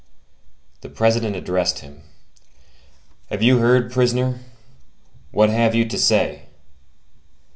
The President addressed him:— "Have you heard, prisoner? What have you to say?"